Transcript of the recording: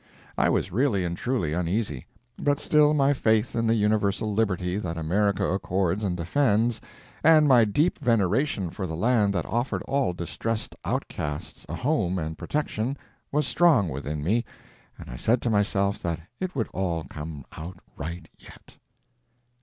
I was really and truly uneasy, but still my faith in the universal liberty that America accords and defends, and my deep veneration for the land that offered all distressed outcasts a home and protection, was strong within me, and I said to myself that it would all come out right yet.